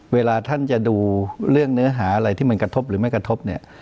เวลาท่านจะดูเรื่องเนื้อหาอะไรที่มันกระทบหรือไม่กระทบเนี่ย